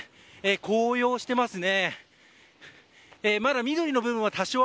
紅葉していますね。